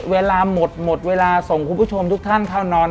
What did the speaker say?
เวลาหมดหมดเวลาส่งคุณผู้ชมทุกท่านเข้านอน